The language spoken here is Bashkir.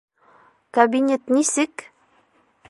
Кабинет нисек?